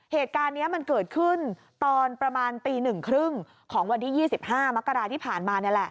เหตุการณ์นี้มันเกิดขึ้นตอนประมาณตี๑๓๐ของวันที่๒๕มกราที่ผ่านมานี่แหละ